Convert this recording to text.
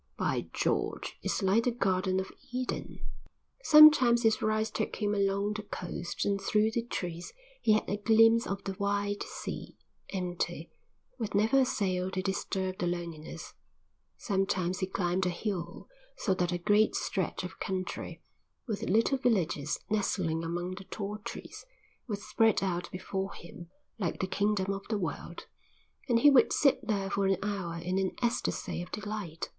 "By George, it's like the garden of Eden." Sometimes his rides took him along the coast and through the trees he had a glimpse of the wide sea, empty, with never a sail to disturb the loneliness; sometimes he climbed a hill so that a great stretch of country, with little villages nestling among the tall trees, was spread out before him like the kingdom of the world, and he would sit there for an hour in an ecstasy of delight.